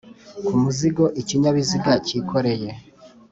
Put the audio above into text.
kumzigo ikinyabiziga cyikoreye